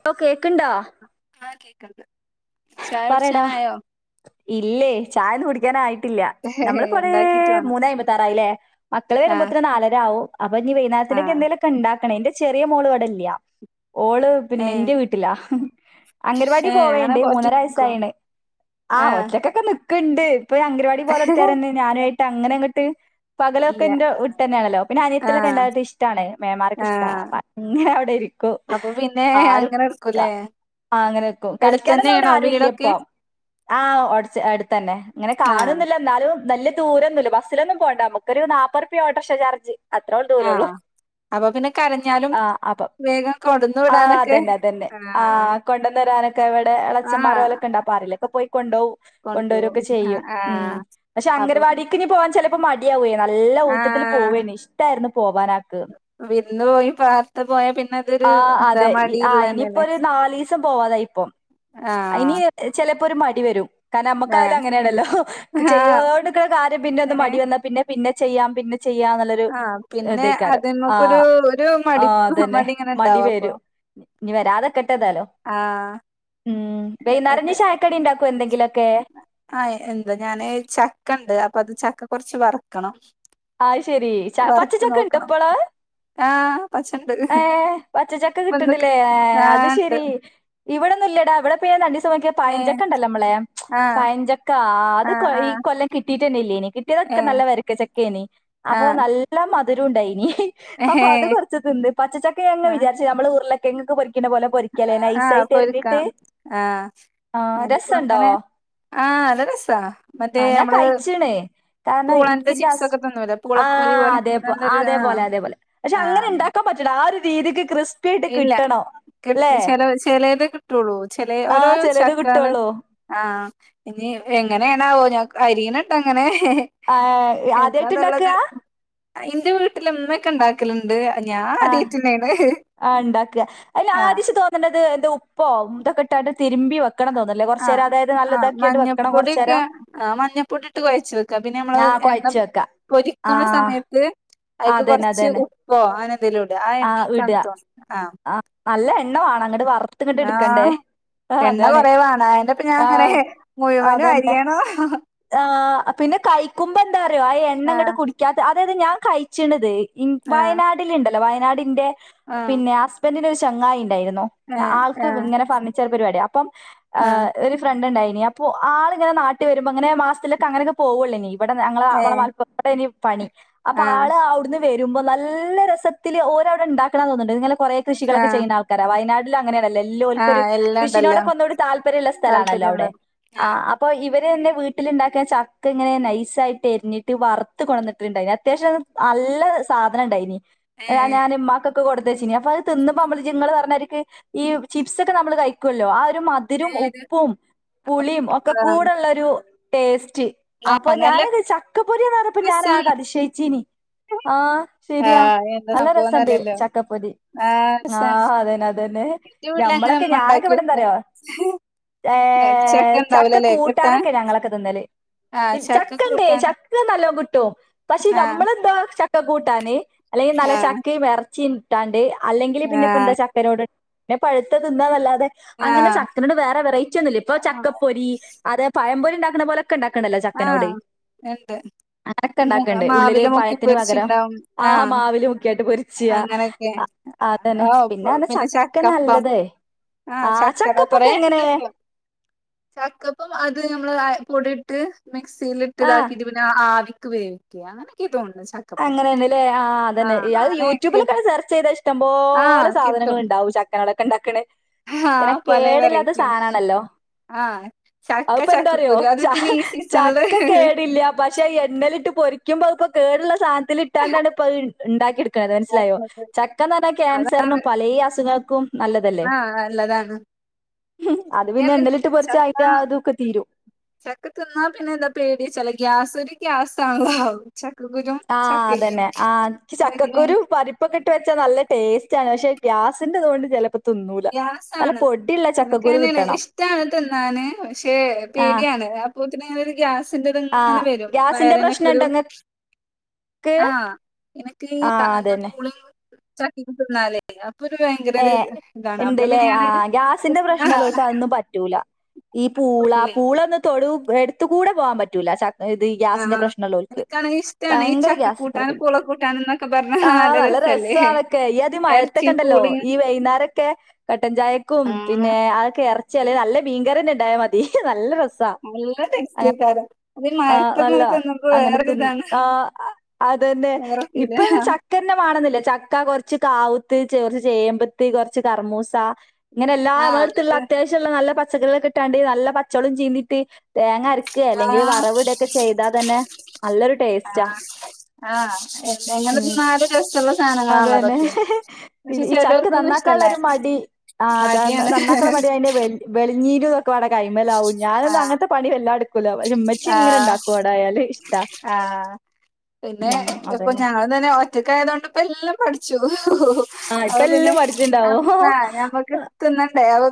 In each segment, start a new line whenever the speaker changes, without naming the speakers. Hello കേക്കിണ്ടോ
ആഹ് കേക്കിൺ ആയ
പറയടാ
ഉട്ച്ചനായോ
ഇല്ലേ ചായ ഒന്നു കുടിക്കാനായിട്ടില്ല നമ്മളിപ്പോ ഒര്
ഇണ്ടാക്കിട്ട് വേണം
മൂന്നെ അയ്മ്പത്താറായില്ലേ
ആഹ്
മക്കളെര്മ്പോത്തിന്ന് നാലരാവും അപ്പഞ്ഞ് വെയ്നാരത്തിന്കെ
ആഹ്
എന്തേലൊക്കെണ്ടാക്കണെ ഇന്റെ ചെറ്യെ മോള് ഇവടെല്ല്യ ഓള് പിന്നെ
ഏഹ്
ഇന്റെ വീ ട്ടിലാ അംഗൻവാടി
ഏഹ് അങ്ങനെ
പോവേണ്ട്
കൊറച്ച്
മൂന്നര വയ്സ്
നിക്കോ
ആയീണ് ആഹ് ഒറ്റക്കക്കെ നിക്കിണ്ട് ഇപ്പൊ അംഗൻവാടി പോലൊട്ത്ത്യാരെ ന്ന് ഞാനുവായിട്ട് അങ്ങനെങ്ങട്ട് പകലൊക്കെ
ഇല്ല
ഇന്റെ വിട്ടെന്ന്യാണല്ലോ പിന്നെ അനിയത്ത്യാളൊക്കെ
ആഹ്
ഇണ്ടായിട്ട് ഇഷ്ടാണ് മേമാരൊക്കെഷ്ട
ആഹ്
ഇങ്ങനെ അവ്ടെ ഇരിക്കും
അപ്പൊ പിന്നെ
ആരും
അങ്ങനെ
ക
എടുക്കൂലേ
ആഹ് അങ്ങനെക്കും കളിക്കാനൊന്നും അവ്ടെ
എടുത്തന്നെയാണോ
ആരു ഇല്ല്യ
വീടൊക്കെ
പ്പം ആഹ് ഒടച് അട്ത്തെന്നെ ഇങ്ങനെ
ആഹ്
കാണൊന്നുല്ല ഇന്നാലും നല്ല് ദൂരോന്നുല്ല ബസ്സിലൊന്നും പോണ്ട അമ്മക്കൊരു നപ്പർപ്പ്യ ഒട്ടോർഷ ചാർജ് അത്രേളു ദൂരൊള്ളൂ
ആഹ് അപ്പൊ പിന്നെ കരഞ്ഞാലും വേഗം കൊട്ന്നു വിടാനൊക്കെ ആഹ്
കൊണ്ടന്നെരാനൊക്കെ ഇവടെ എളെച്ചമ്മാരൊ
ആഹ്
ഓല് ക്കെണ്ട് അപാരേലൊക്കെ പോയി കൊണ്ടോവും കൊണ്ടോരു
കൊണ്ടോവും
ഒക്കെ ചെയ്യും
ആഹ്
ഉം
ആഹ്
പഷെ
അപ്പൊ
അങ്കനവാടീക്ക് ഇഞ്ഞ് പോവാൻ ചെല പ്പം മട്യാവ്വേയ് നല്ല ഊറ്റത്തിൽ
ആഹ്
പോവേയ്നി ഇഷ്ടായിരുന്നു പോവാനാക്ക്
വിരാന്ന് പോയി പാർത്ത് പോയാ പിന്നെ തൊര്
ആഹ്
എന്താ
അതെ ആഹ് ഇനിയിപ്പോ
മടിള്ളന്നെല്ലെ
ഒരു
ആഹ്
അയ്ന് ചെലെപ്പൊരു മടി വരും കാര്ണം അമ്മക്കായാലും
ആഹ്
അങ്ങനേണല്ലോ
ആഹ്
ചെയ്യോണ്ടിക്കിണ കാര്യം പിന്നെ ഒന്ന്
ഇങ്ങനെ
മടി വന്നാ പിന്നെ പിന്നെ ചെയ്യാം പിന്നെ ചെയ്യാന്നിള്ളൊരു
ആഹ് പിന്നെ
ഇതേക്കാരം
അതിമ്മക്കൊരു
ആഹ്
ഒരു
ആഹ്
മടിപ്പ്
തന്നെ
ഇങ്ങനെ
മടി
ഇണ്ടാവും അപ്പൊ
വരും ഇഞ് വരാതെക്കെട്ടെ ഏതായ്ലും
ആഹ്
ഉം വെയ്ന്നേരഞ്ഞ്
എന്നിട്ട്
ചായക്കടി ഇണ്ടാക്കോ എന്തെങ്കിലൊക്കെ?
ആഹ് എന്താ ഞാന് ചക്കണ്ട് അപ്പൊ അത് ചക്ക കൊറച്ച് വറക്കണം
അയ് ശെരി
വറുത്ത്
പച്ചച്ചക്കണ്ട്
നോക്കണം
ഇപ്പള്?
ആഹ് പച്ചണ്ട്
ഏഹ് പച്ചച്ചക്ക
വന്നക്ക്
കിട്ടിണ്ട്ലേ ആഹ് അത് ശരി ഇവടൊന്നുല്ലടാ ഇവിടെപ്പൊ ഞാ രണ്ടീസന്നോക്ക്യെ
ഏഹ്
പയഞ്ചക്കണ്ടല്ലോ അമ്മളെ
ആഹ്
പയഞ്ചക്കാ അത്
ആഹ്
കൊ ഈ
ആഹ്
കൊല്ലം കിട്ടീട്ടെന്നെ ഇല്ലേനി കിട്ട്യേതൊക്കെ
ഏഹ്
നല്ല വരിക്ക ചക്കേനി അപ്പൊ
ആഹ്
നല്ല മധിരുണ്ടേനി അപ്പൊ
ഏഹേ
അത് കൊറച്ച് തിന്ന് പച്ചച്ചക്ക ങ്
ആഹ്
വിചാരിച്ചു നമ്മള് ഉരുളക്കെങ്ങൊക്ക പൊരിക്കുന്ന പോലെ പൊരി
ആഹ് പൊരിക്കാം ആഹ്
ആഹ് രസണ്ടോ
ഞാനപ്പോങ്ങനെ ആഹ് അല്ല രസാ മറ്റേ
ആഹ് ഞാൻ
നമ്മള്
കഴിച്ചീണ്
പൂളന്റെ ചിപ്സ് ഒക്കെ തിന്നൂലേ
ആ അതെ അതേപോലെ പക്ഷെ
ആഹ്
അങ്ങനെ ഉണ്ടാക്കാൻ പറ്റൂല ആ ഒരു രീതിക്ക് ക്രിസ് റ്റായിട്ട് കിട്ടണം ല്ലേ
ചില ചിലത് കിട്ടുള്ളൂ ചില ഓരോ
ആഹ് ചെലത്
ചക്കേള്
കിട്ടുള്ളൂ.
ആഹ് ഇനി എങ്ങനെയാണാവോ ഞ അരിനട്ട് ങ്ങനെ
ആദ്യായിട്ട്ണ്ടാക്ക്കാ
എന്റെ വീട്ടില്മ്മക്കെ ഉണ്ടാക്കലുണ്ട് ഞാൻ ആദ്യായിട്ടെന്നെയാണ്
ആണ്ടാക്ക് ആദൃച്ച് തോന്നണത് എന്ത ഉപ്പോ ഇതൊക്കെ ഇട്ട് തിരുമ്പി വെക്കണം തോന്നണ്ണ്ട്
ആഹ് ആഹ മഞ്ഞപ്പൊടിയൊക്കെ
കൊറച്ചേരം.
ആഹ് മഞ്ഞപ്പൊടി ഇട്ട് കുഴച്ച് വെക്കാ പിന്നെ നമ്മള്
ആഹ്
എണ്ണ
കൊഴച്ച് വെക്കാ.
പൊരിക്കണ
ആഹ്
സമയത്ത് അയിക്ക്
അതന്നെ
കൊറച്ച്
അതന്നെ
ഉപ്പൊ അങ്ങനെന്തേലൂടാ ആ എണ്ണേക്കാ തോന്നു
ആ നല്ല എണ്ണ വാണം ങ്ങ്ട്ട് വറുത്ത് ഇങ്ങട്ട് എടുക്കണ്ടേ ആ അതാണ്
ആ എന്റെപ്പം ഞാൻ ങ്ങനെ
ആഹ്
മുയ്മനും അരിയണം
ആ് പിന്നെ കയിക്കുമ്പോ എന്താറിയോ ആ എണ്ണങ്ങോട്
ആഹ്
കുടിക്കാതെ അതായത് ഞാൻ കയി ണത്
ആഹ്
വയനാടിൽ ഉണ്ടല്ലോ വയനാടിന്റെ
ആഹ്
പിന്നെ ഹസ് ബൻ്റിൻ്റെ ഒരു ചങ്ങായി ഉണ്ടായിരുന്നു
ഏഹ്
ആൾക്ക്
ആഹ്
ഇങ്ങെനെ ഫർ ഒരു പരിപാടി അപ്പൊ
ആഹ്
ഒരു ഫ്രണ്ട്ണ്ടായിനി അപ്പൊ ആള്ങ്ങനെ നാട്ടി വരു മ്പൊ അങ്ങനെ മാസത്തിലൊക്കെ അങ്ങനൊക്കെ പോകുവല്ലേ നി ഇവിടെ ഞങ്ങള
ഏഹ്
മപ്പനി പണി അപ്പൊ
ആഹ്
ആള് അവിടുന്ന് വരുമ്പ നല്ല രസത്തിൽ ഓരവിടെ ഉണ്ടാക്കണം തോന്നുന്നുണ്ട് ഇങ്ങനെ കുറേ കൃഷികളൊക്കെ
ആഹ്
ചെയ്യ്ണ ആൾക്കാരാണ് വയനാട് അങ്ങനെയാണല്ലോ ഇല്ലോൽക്കൊരു
ആഹ് എല്ലാം ഉണ്ടല്ലോ
കൃഷിനോടൊക്കെന്നു കൂടി താല്പര്യുള്ള സ്ഥലാണല്ലോ അവിടെ
താല്പര്യള്ളത്
ആ
ആഹ്
അപ്പൊ ഇവര ര് ന്ത വീട്ടിലിണ്ടാക്കിയ ചക്ക ഇങ്ങനെ നൈസായിട്ട് എരിഞ്ഞിട്ട് വറുത്തു കൊന്നിട്ടുണ്ടായിരുന്ന് അത്യാവശ്യം നല്ല സാധനം ഇണ്ടായിനി
ഏഹ്
ഞാന് ഇമ്മാക്കൊക്കെ കൊടുത്തയച്ചിനി അപ്പൊ അത് തിന്ന്പ നമ്മൾ നിങ്ങള് പറഞ്ഞ മായിരിക്ക് ഈ ചിപ്സ് ഒക്കെ നമ്മൾ കഴിക്ക ക്കൂല്ലോ ആ ഒരു മധുരം ഉപ്പും പുളിയും ഒക്കെ
ആഹ്
കൂടെള്ളൊരു ടേസ്റ്റ് അപ്പൊ
ആഹ് നല്ല
ഞാനത് ചക്കപ്പൊരി ആണ്ന്ന് പറഞ്ഞപ്പോ
രസാണ്
ഞാനതിശയിച്ചീനി ആ ശരിയാ
ആഹ് എന്താ
നല്ല രസുണ്ട്
സംഭവംന്നറിയില്ലല്ലോ
ചക്കപ്പൊരി
ആഹ് രസാണ്
ആഹ അതന്നെ അതന്നെ
ഇന്റെ വീട്ടില് അങ്ങനെ
ഞമ്മളൊക്കെ
ഇമ്മ
ഞാനൊക്കെ
ഇണ്ടാക്കി വെക്കും
ഇവിടെന്തറിയോ? ഹേ
ചക്ക ഇണ്ടാവൂലല്ലേ
ചക്കക്കൂട്ടാ
കിട്ടാൻ
നൊക്കെ ഞങ്ങളൊക്കെ തിന്നല്
ആഹ് ചക്ക
ചക്കണ്ട്
കൂട്ടാന്
ചക്ക നല്ലോ കിട്ടും പക്ഷെ
ആഹ്
നമ്മള് ന്താ ചക്ക കൂട്ടാന് അല്ലെങ്കിൽ നല്ല
ആഹ്
ചക്കയും ഇറച്ചിട്ടാണ്ട് അല്ലെങ്കിൽ പിന്നെ ഇപ്പ എന്താ ച ക്കനോട് പിന്നെ പഴുത്തത് തിന്നാന്നല്ലാതെ അങ്ങനെ
ആഹ്
ചക്കനോട് വേറെ വെറൈറ്റി ഒന്നുമല്ല ഇപ്പൊ
ആഹ്
ചക്കപ്പൊരി അതെ പഴം പൊരി ഉണ്ടാക്കുന്ന പോലെ ണ്ടാക്കണല്ലോ ചക്കനോട്
എണ്ട്
അങ്ങനൊക്കെ
[unintelligible]
ഉണ്ടാക്കണ്ട് ഉള്ളില്
മാവില് മുക്കി
പഴത്തിന് പകരം
പൊരിച്ചുണ്ടാവും
ആ
ആഹ്
മാവില് മുക്കിയായിട്ട് പൊരിച്ച്യ
അങ്ങനെയൊക്കെ ആ
അതന്നെ
അപ്പ്
പറഞ്ഞ
പിന്നെ
ചക്ക
ചക്കപ്പം
നല്ലതേ
ആഹ്
ആ
ചക്കട കൊറേ
ചക്കപ്പൊക്കെ
ഉണ്ട്
എങ്ങനെ
ഇപ്പോ ചക്കപ്പം അത് നമ്മെ പൊടിയിട്ട് മിക്സിൽ ഇട്ട്
ആഹ്
ഇതാക്കിട്ട് പിന്നെ ആവിക്ക് വേവിക്ക അങ്ങനെക്ക തോന്നുന്നു ചക്കപ്പം
അങ്ങനെന്നല്ലേ ആഹ് അതന്നെ അയാത് യൂട്യൂബിലൊക്കെ സെർച്ച് ചെയ്താ ഇഷ്ടംപോലെ
ആഹ്
സാധനങ്ങൾ
കിട്ടും
ഉണ്ടാവും [unintelligible] ഉണ്ടാക്കണ പിന്നെ
ആഹ് പലേ
കേടില്ലാത്ത
വെറൈറ്റിയാണ്
സാധനമാണല്ലോ
ആഹ് ചക്ക
അതിപ്പൊ എന്താറിയോ
ചക്കക്കുരു അത്
ച
പിന്നെ ഈ സീസണില്
ചക്ക കേടില്ല പക്ഷെ എണ്ണലിട്ട് പൊരിക്കുമ്പോ ഇപ്പൊ കേടുള്ള സാധനത്തിൽ ഇട്ടാണ്ടാണ് ഇപ്പൊ ഉണ്ടാക്കിയെടുക്കണത് മനസ്സിലായോ ചക്കന്ന് പറഞ്ഞാൽ ക്യാൻസറിനും
അതാണ്
പലേ അസുഖൾക്കും നല്ലതല്ലേ
ആഹ് നല്ലതാണ്
അത് പിന്നെ എണ്ണലിട്ട് പൊരിച്ചാ
ചക്ക
അതൊക്കെ തീരും
ചക്ക തിന്നാ പിന്നെ എന്താ പേടിയച്ചാൽ ഗ്യാസരും ഗ്യാസാവും ചക്ക കുരും
ആ അതന്നെ ആ ചക്കക്കുരു പപ്പ- ഉപ്പൊകെയിട്ട് വെച്ചാൽ നല്ല ടേസ്റ്റ് ആണ് പക്ഷേ ഗ്യാസിന്റെതുകൊണ്ട് ചിലപ്പോ
ഗ്യാസാണ് എനക്ക്ങ്ങനെയാണ്
കിട്ടണം.
ഇഷ്ടാണ് തിന്നാന് പക്ഷെ
ആഹ്
പേടിയാണ് പോത്തിനങ്ങനെ ഒരു ഗ്യാസിന്റെ ഇത്ങ്ങനെ
ആഹ്
വരും
ഗ്യാസിന്റെ
വയറിനൊക്കെ ഒരു
പ്രശ്നണ്ടോ ഇങ്ങക്ക്
ആഹ് എനക്ക്
ആഹ്
എന്താ
അതന്നെ
പൂളി- ചക്കിങ് തിന്നാലേ അപ്പൊ ഒരു ഭയങ്കര ഒരു ഇതാണ് അപ്പൊ പിന്നെ
ഇണ്ടല്ലേ
ഞാനൊരു
ആഹ് ഗ്യാസിന്റെ
ആഹ്
പ്രശ്നോളാർക്ക് അതൊന്നും പറ്റൂല ഈ പൂളാ
ലെ
[unintelligible] തൊടും എടുത്ത് കൂടെ പോവാൻ പറ്റൂല്ല ആതാ ഇത് ഗ്യാസിന്റെ
ആഹ്
പ്രശ്നലോ ഒള്ളവർക്ക്
എനിക്കാണെങ്കി ഇഷ്ടാണ് ഈ
ഭയങ്കര
ചക്ക
ഗ്യാസ്ക്കര
കൂട്ടാനും
പിന്ന
പൂള കൂട്ടാനും എന്നൊക്കെ പറഞ്ഞ
ആഹ നല്ല രസ
രസല്ലേ
ആതൊക്കെ ഈ ആദ്യ മഴത്തൊക്കെ
എറച്ചിയും
ഉണ്ടല്ലോ
പൂളീം
ഈ വൈകുന്നേരൊക്കെ കട്ടൻചായക്കും
ആഹ്
പിന്നെ അതൊക്കെ ഇറച്ചിയല്ലെ നല്ല മീൻകറിന്നെ ഉണ്ടായ മതി നല്ല രസ
നല്ല
[unintelligible] ആഹ്
ടേസ്റ്റേക്കാരം അത് ഈ
[unintelligible]
മഴത്തൊക്കെ ഇങ്ങനെ
നല്ലത
തിന്നുമ്പോ
അങ്ങനെ തി [unintelligible]
വേറൊരിതാണ്
ആഹ് അത തന്നെ
വേറെ ഫീലാ
ഇപ്പൊവിടെ ചക്കന്നെ വണുന്നില്ല ചക്ക കുറച്ച് കാവുത്ത് കുറച്ച് ചേമ്പത്ത് കൊറച്ച് കറമൂസ ഇങ്ങനെ എല്ലാ നമ്മടെ
ആഹ്
അടുത്തുള്ള
എന്നിട്ട്
അത്യാവശ്യമുള്ള നല്ല പച്ചക്കറികൾക്കെ ഇട്ടാണ്ട് നല്ല പച്ചമുളക് ചീന്തീട്ട് തേങ്ങര [unintelligible] അല്ലെങ്കിൽ
ആഹ്
വറവ ഇടൊക്കെ ചെയ്താ തന്നെ നല്ലൊരു ടേസ്റ്റ് ആഹ്
ആഹ് എങ്ങനെ തിനാല് രസുള്ള സാധനങ്ങളാണോ അതൊക്കെ
ഇ
പക്ഷെ
ഈ ചക്ക്
ചെലോർക്കൊന്നും
നന്നാക്കാൻ
ഇഷ്ടല്ല
ഒരു മടി ആഹ് ചാ
മടിയാണ്
നന്നാക്കളൊര മടി അതിന്റെ വെ വെളഞ്ഞീരന്നൊക്കെ കൈമലാവും ഞാനൊന്ന
ആഹ്
അങ്ങത്തെ പണി എല്ലാടു [unintelligible] ഉമ്മച്ചി ഇങ്ങനെ
ആഹ്
ഉണ്ടാക്കും അട ആയാല് ഇഷ്ടാ
ആഹ്
ഉം അതന്നെ
അന്നനെ ഒറ്റക്കായയതുകൊണ്ട് ഇപ്പോ എല്ലാം പഠിച്ചു
ആഹ് ഇപ്പ
അഹ് പിന്നെ
എല്ലാം പഠിച്ചിണ്ടാവും
ഞമ്മക്ക് തിന്നണ്ടേ അഹ്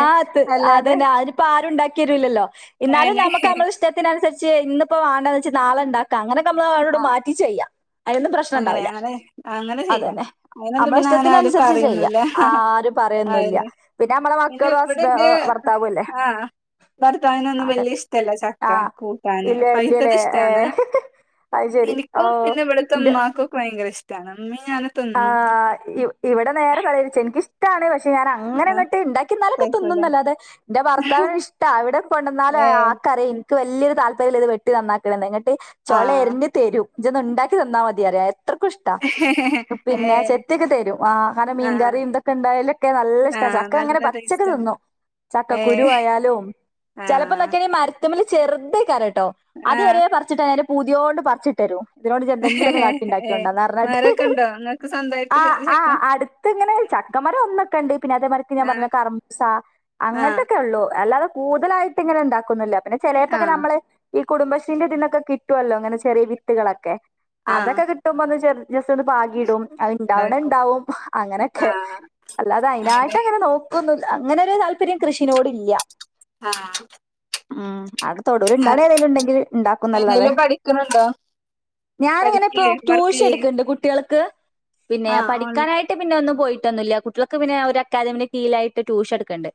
ആഹ് അത് അതന്നെ അതിനിപ്പോ ആരും ഉണ്ടാക്കിരല്ലല്ലോ എന്നാലും
അയന്നെ
നമുക്ക് നമ്മള് ഇഷ്‌ടത്തിനുസരിച്ച് ഇന്നിപ്പോ വാണ്ടന്ന് വച്ച നാളെ ഉണ്ടാക്കാം അങ്ങനൊക്കെ നമ്മള് അവോട്
ആഹ്
മാറ്റി ചെയ്യാം അതിനൊന്നും പ്രശ്നം
അങ്ങനെ
ഉണ്ടാവില്ല
അങ്ങനെ അങ്ങനെ
അത്
ചെയ്യാം
തന്നെ
അതിനൊന്നും
നമ്മളെ
പിന്നെ അങ്ങനെ
ഇഷ്ടത്തിന്
ആരും
അനുസരിച്ച് ചെയ്യാം
പറയൊന്നുല്ല
ആഹ് ഒരു പറയൊന്നില്ല പിന്നെ നമ്മള
[unintelligible] പി
[unintelligible]
ഇവിടെന്റെ ആഹ് ഭർത്താവിനൊന്നും
അതെ
വല്യ ഇഷ്ടല്ല ചക്ക
ആഹ്
കൂട്ടാന്
ഇല്ല
പൈയ്ത്തത്
ഇല്ലല്ലേ
ഇഷ്ടാണ്
ഏഹ് അത് ശരി ഓ
എനിക്കും പിന്നെ ഇവിടുത്തെ
ഇന്റെ
ഉമ്മാക്കും ഒക്കെ ഭയങ്കര ഇഷ്ടമാണ് ഉമ്മീ ഞാനും തിന്നും
ആഹ് ഇ ഇവിടെ നേരെ തലരിച്ചു എനിക്കിഷ്ടാണ് പക്ഷെ ഞാൻ
ആഹ്
അങ്ങനെങ്ങോട്ട്ണ്ടാക്കിലൊക്കെ
കഴിക്കൂല
തിന്നുന്നന്നല്ല അതെ എന്റെ ഭർത്താവിന് ഇഷ്ട ഇവിടെ കൊണ്ടന്നാ
ഏ
ആഹ് അറിയിൻ വലിയൊരു താല്പര്യൽ ഇത് വെട്ടി നന്നാക്കണ് എന്നിട്ട് ചോള
ആഹ്
എരിഞ്ഞ് തെരും ഇന്ന് ഉണ്ടാക്കി തന്നാൽ മതിയറിയ എത്രക്കും ഇഷ്ടാ
ഏ
പിന്നെ ചെത്തിയൊക്കെ തരും ആ കാരണം മീൻ
ആഹ്
കറി ഇന്തൊക്കെ ഉണ്ടായാലലൊക്കെ നല്ല ഇഷ്ട
ആഹ്
ചക്ക അങ്ങനെ
നല്ല
പച്ചക്കെ
ടേസ്റ്റാ
തിന്നു
ഏ
ചക്കക്കുരു ആയാലും
ആഹ്
ചെലപ്പോന്നൊക്കേന്നെ മര ത്തിമ്മല് ചെർതേക്കാരട്ടോ.
ആഹ്
അത്വരേ പർച്ചിട്ടയിന്റെ പൂതിയോണ്ട് പർച്ചിട്ടരും. ഇതിനോട് ഇജെന്തെങ്കിലൊന്ന് കാട്ടിണ്ടാക്കിയോണ്ടോന്നർഞ്ഞാണ്ട്
ആഹ് ഇങ്ങക്ക് സബ്
ആഹ് ആഹ് അത് ഇതിങ്ങനെ ചക്കമരം ഒന്നൊക്കണ്ട് പിന്നെ അതേമാരിക്ക് ഞാൻ
ആഹ്
പറഞ്ഞില്ലേ കർമൂസ
ആഹ്
അങ്ങൻത്തൊക്കെള്ളു അല്ലാ കൂടുതലായിട്ട് ഇങ്ങനെ ഇണ്ടാക്കൊന്നുല്ല പിന്നെ ചെലേപ്പൊക്കെ
ആഹ്
ഞമ്മള് ഈ കുടുംബശ്രീന്റെ ഇതിന്നൊക്കെ കിട്ടുവല്ലോ ഇങ്ങനെ ചെറിയ വിത്തുകളൊക്കെ
ആഹ്
അതൊക്കെ ട്ടുമ്പോന്ന് ചെർ ജസ്റ്റോന്ന് പാകീ ഇടും.
ഉണ്ടാക്കും
അത്ണ്ടാവണണ്ടാവും അങ്ങനെയൊക്കെ.
ആഹ്
അല്ലാതെ
അതെ
അയിനായിട്ടങ്ങനെ നോ ക്കൊന്നൂല്ല. അങ്ങനൊരു താല്പര്യം കൃഷിനോട് ഇല്ല.
ആഹ്.
ഉം അവിടെ തൊടൂല് ഇണ്ടാണേണെങ്കി ഇണ്ടെങ്കിൽ ഇണ്ടാക്കുംന്നല്ലാതെ
നിക്കുന്നുണ്ടോ
ഞാനങ്ങനെപ്പോ ട്യൂഷൻ
ചെയ്യേ
എടുക്ക്ണ്ട് കുട്ടികൾക്ക് പിന്നെ
ആഹ് ഓൺലൈൻ
പഠിക്കാനാ ട്ട് പിന്നെ ഒന്നും പോയിട്ടൊന്നൂല്ല. കുട്ടികൾക്ക് പിന്നെ ഞാ ഒരു അക്കാദമിനി കീഴിലായിട്ട് ട്യൂഷൻ എടുക്ക്ണ്ട്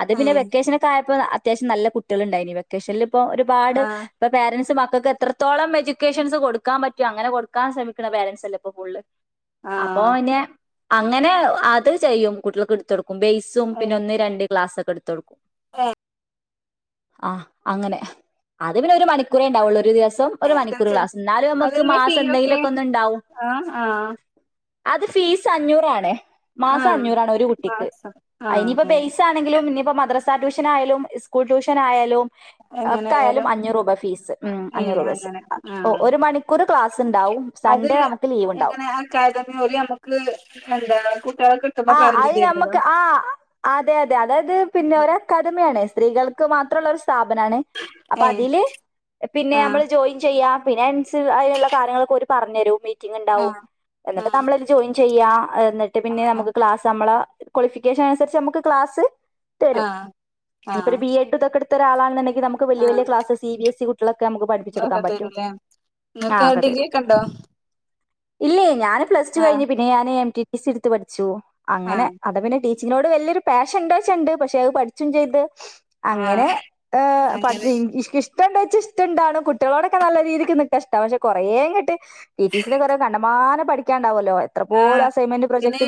അത് പിന്നെ
ഏഹ്
വെക്കേ ക്കായപ്പോ അത്യാവശ്യം നല്ല കുട്ടികള്ണ്ടായിനി വെക്കേഷനിൽപ്പോ ഒരുപാട്
ആഹ്
ഇപ്പൊ പാരൻസ് മക്കക്ക് എത്രത്തോളം എഡ്യൂക്കേഷൻസ് കൊടുക്കാൻ പറ്റൊ അങ്ങനെ കൊടുക്കൻ ശ്രമിക്ക്ണ പാരന്റ്സല്ലേപ്പൊ കൂടു അപ്പൊ
ആഹ്
പിന്നെ അങ്ങനെ അത് ചെയ്യും കുട്ടികൾക്ക്ടുത്തൊടുക്കും ബെയസും പിന്നെ
ഏഹ്
ഒന്ന് രണ്ട് ക്ലാസ് ഒക്കെ എടുത്തോടുക്കൂ ആഹ് അങ്ങനെ അത് പിന്നെ ഒരു മണിക്കൂറേണ്ടാവുള്ളൂ ഒരു ദിവസം ഇപ്പം ഒരു മണിക്കൂർ
ഏഹ്
ക്ലാസ് ന്നാലും ഞമ്മക്ക്
അതിനുള്ള
മാസം
ഫീയൊക്കെ
എന്തങ്കിലൊക്കൊന്ന് ഇണ്ടാവും
ആഹ് ആഹ്
അത് ഫീസ് അഞ്ഞൂറാണേ മാസം
ആഹ്
അഞ്ഞൂറാണ് ഒരു കുട്ടിക്ക്
മാസം
അയിനിപ്പോ
ആഹ്
ബേസ ല്ലെങ്കിലും ഇനിയിപ്പോ മദ്രസാ ട്യൂഷനായാലും ഇസ്കൂൾ ട്യൂഷനായാലും അ ഒക്കെ ആയാലും അഞ്ഞൂറ് രൂപ ഫീസ് ഉം
ഏഹ്
അഞ്ഞൂറ് രൂപഫീസ്
അങ്ങനെ
ഓ
ആഹ്
ഒരു മണിക്കൂറ് ക്ലാസ്ണ്ടാവും സൺഡേ നമുക്ക് ലീവ്ണ്ടാവും
താരതമ്യം ഓല് ഞമ്മക്ക് എന്താ കുട്ടിയേൾ
ആ അത് ഞമ്മക്ക് ആ അതെയതെ അതായത് പിന്നെ ഒര കടമയാണ് സ്ത്രീകൾക്ക് മാത്രള്ളൊരു സ്ഥാപനാണേ അപ്പൊ
ഏഹ്
അതില് പിന്നെ
ആഹ്
ഞമ്മള് ജോയിൻ ചെയ്യാ പിന്നെ അയ്നൻസ്ള്ള അയ്ല്ള്ള കാര്യങ്ങളൊക്കെഓര് പറഞ്ഞരും മിറ്റിംഗ്ണ്ടാവും.
ആഹ്
എന്നിട്ട്
ആഹ്
നമ്മളതില് ജോയിൻ ചെയ്യ എന്നിട്ട് പിന്നെ
ആഹ്
നമുക്ക് ക്ലാസ് നമ്മളെ ക്വാളിഫിക്കേഷൻ അനുസരിച്ച് നമ്മക്ക് ക്ലാസ്സ് തരും
ആഹ് ആഹ്
ഇനിപ്പൊരു ബി എ ഡ് ഇതൊക്കെട്ത്തൊരാളണന്ന്ണ്ടെങ്കി നമുക്ക് വലിയ
ആഹ്
വലിയ class C B S E കുട്ടികളക്കെ ഞമ്മക്ക് പഠപ്പിച്ചെടുക്കാൻ
ഒക്കെ
പറ്റും
തരൂല്ലേ ഇങ്ങക്ക് ഡിഗ്രിയൊക്കെണ്ടോ
ഇല്ലേയ് ഞാന് പ്ലസ് ടു
ആഹ്
കഴിഞ്ഞു പിന്നെ ഞാന് എം ടിടി സി ഇട്ത്ത് പഠിച്ചു അങ്ങനെ
ആഹ്
അതാ പിന്നെ അനോട് വല്ല്യോരു പാഷൻ ഇണ്ടോച്ച ഉണ്ട് പക്ഷെ അത് പഠിച്ചും ചെയ്ത് അങ്ങനെ
ആഹ്
ആഹ് പഠിച്ച്
അങ്ങനെ
ഇംഗ്ലീഷ് ഇഷ്ടണ്ടോയ്ച്ച ഇഷ്ടണ്ടാണ് കുട്ടികളോടൊക്കെ നല്ല രീതിക്ക് നിക്കാഷ്ട പക്ഷെ കൊറേയങ്ങ്ട് പി ടി സില് കൊറെ കണ്ടമാനം പഠിക്കാണ്ടാവോല്ലോ എന്ന
ആഹ് പിന്നെ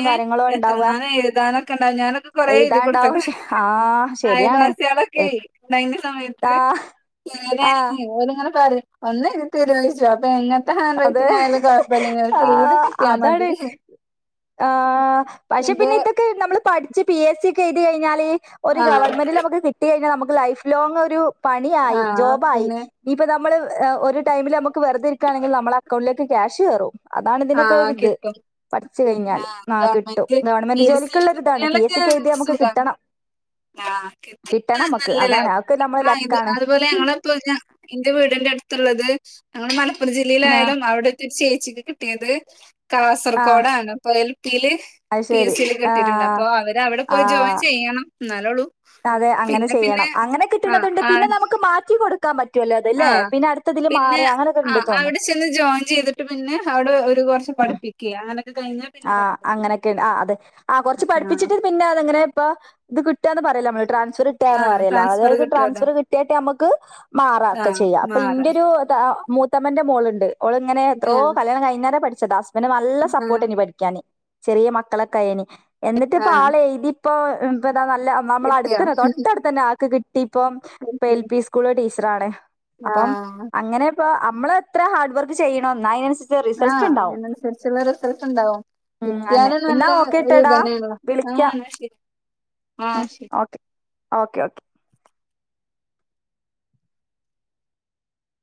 ഉണ്ടാവുക
എത്രങ്ങാനും എഴുതാനൊക്കെണ്ടാവും ഞാനൊക്കെ കൊറെ എഴുതി
എഴുതാണ്ടാവും
കൊടുത്ത്ക്ക്ണ്
ആ ശരിയാണ്
അയൽവാസീയേളൊക്കെയ് ഇണ്ടായീന്ന സമയത്ത്
എത്താ
ഞാന്
ആ
ഓല് ഇങ്ങനെ പറീം ഒന്നെഴ്തിതരോയ്ച്ചും അപ്പോ ഞാനിങ്ങനെ ന്ത്‌
അതെ
ഹാണ്ട്രൈറ്റിങ്ങായാലും കൊഴപ്പല്ലേന്നു ഓൽക്കെയ്തി കിട്ടിയാമതീ
ആഹ് പക്ഷെ
ഇത്
പിന്നെ ഇതൊക്കെ നമ്മള് പഠി ടിച്ച് പി എസ് സി ഒക്ക എഴുതി കഴിഞ്ഞാല് ഒരു
ആഹ്
ഗവൺമെന്റില് നമുക്ക് കിട്ടി കഴിഞ്ഞാ നമ്മക്ക് ലൈഫ് ലോങ്ങൊരു പണിയായി
ആഹ്
ജോബായി
പിന്നെ
ഇനീപ്പൊ നമ്മള് ആഹ് ഒരു ടൈമില് നമ്മക്ക് വെറുത ഇരിക്കാണെങ്കിൽ നമ്മളക്കൗണ്ടിലേക്ക് ക്യാഷ് കേറും അതാണ്
ആഹ്
ഇതിനൊക്കൊര്ത്
കിട്ടും
പഠിച്ചു കഴിഞ്ഞാല്
ആഹ്
ന കിട്ടും.
ഗവൺമെന്റ് പി
ഗവൺമെന്റ്
എസ് സിയിൽ
ജോലിക്കുള്ളരി ഇതാണ് പി എസ്
കിട്ടിയാലൊക്കെ
സിക്ക് എഴുതിയാ നമുക്ക്
സുഖാണ്
കിട്ടണം
ആഹ്
കിട്ടണം
കിട്ടിയാ
നമ്മക്ക്
നല്ലതാ
അതാണ് അതക്ക നമ്മള്
ആ
ലക്ക്
ഇത്
ആണ്
അതുപോലെ ഞങ്ങള് ഇപ്പ എന്റെ വീടിന്റെ അടുത്തുള്ളത് ഞങ്ങടെ മലപ്പുറ
ആ
ജില്ലയിലായാലും അവിടെ ചേച്ചിക്ക് കിട്ടിയത്
ആ
കാസർഗോഡാണ് അപ്പൊ എൽ പിയില്
അത്
പി
ശരി
എസ് സിൽ
ആ
കിട്ടിയിട്ടുണ്ട് അപ്പൊ അവര് അവിടെ പോയി
ആ
ജോയിൻ ചെയ്യണം എന്നാലേള്ളൂ
അതെ അങ്ങനെ ചെയ്യണം അങ്ങനെ കിട്ടണതുണ്ട്
ആ
പിന്നെ നമുക്ക് മാറ്റി കൊടുക്ക പറ്റുമല്ലോ അത്
ആ
അല്ലേ പിന്നെടുത്തതില്
പിന്നെ
മാറി അങ്ങനൊക്കെ
ആ
ഉണ്ട്
അവിടെ
തോന്നുന്നു
ചെന്ന് ജോയിൻ ചെയ്തിട്ട് പിന്നെ അവിടെ ഒരു കുറച്ച്
ഉം.
പഠിപ്പിക്കുക അങ്ങനൊക്കെ കഴിഞ്ഞി
ആ അങ്ങനെയൊക്കെണ്ട് ആ അതെ ആ കൊറച്ച്
ആ
പഠിപ്പിച്ചിട്ട് പിന്നെ അതെങ്ങനെ ഇപ്പൊ ഇത് കിട്ടാന്ന് പറയില്ല നമ്മള് ട്രൻസ്ഫർ
ആ
കിട്ടാന്ന് പറയില്ല
ട്രാൻസ്ഫർ
അതായത്
കിട്ടുവല്ലോ
ട്രാൻസ്ഫർ കിട്ടാട്ട് നമുക്ക് മാറാ
ആ
ഒക്കെ ചെയ്യാം അപ്പൊ ഇന്റെ
മാറാം
ഒരു മൂത്തമ്മന്റെ മോളുണ്ട് അവള് ഇങ്ങനെ
ആ
എത്രോ കല്യാണം കഴിഞ്ഞത് അന്നേരം പഠിച്ചതാ പിന്നെ നല്ല
ആ
സപ്പോർട്ടാനി പഠിക്കാന് ചെറിയ മക്കളൊക്കെയന് എന്നിട്ട്
ആ
ഇപ്പ ആൾ എഴുതി ഇപ്പൊ ഇ നല്ല നമ്മള്
കിട്ടിയോ
അടുത്തന്നെ തെട്ടടുത്ത് തന്നെ ആക്ക് കിട്ടി ഇപ്പ എൽപീസ് സ്കൂള് ടീച്ചർ ആണ് അപ്പം
ആ
അങ്ങനെ ഇപ്പ നമ്മള് എത്ര ഹാർഡ് വർക്ക് ചെയ്യണം അ
ആ അതിനനുസരിച്ചുള്ള റിസൾട്ട് ഉണ്ടാവും
ഉം അന്നെ
കിട്ടാലും
എന്നാ
നല്ല
ഓക്കെ
ഒരു
ഇട്ടടാ
തന്നെയുള്ള ആ
വിളിക്കാം
ശരി ആ ശരി
ഓക്കേ ഓക്കേ.